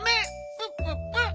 プププ！